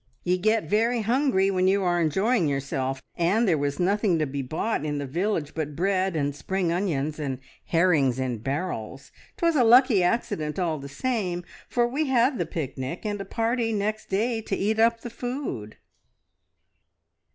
Ye get very hungry when you are enjoying yourself, and there was nothing to be bought in the village but bread and spring onions and herrings in barrels. 'Twas a lucky accident, all the same, for we had the picnic, and a party next day to eat up the food."